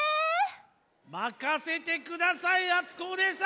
まかせてくださいあつこおねえさん！